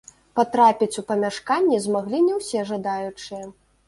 Патрапіць у памяшканне змаглі не ўсе жадаючыя.